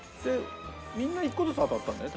みんな１個ずつ当たったんだよね